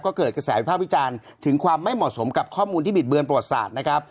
ก็เกิดกระแสวิภาพวิจารณ์ถึงความไม่เหมาะสมกับข้อมูลที่บิดเบือนประวัติศาสตร์นะครับ